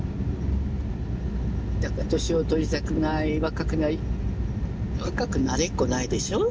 だから年を取りたくない若くなり若くなれっこないでしょう。